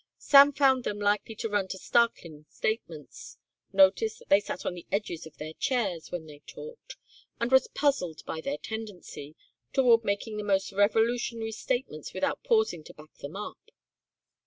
Sam found them likely to run to startling statements, noticed that they sat on the edges of their chairs when they talked, and was puzzled by their tendency toward making the most revolutionary statements without pausing to back them up.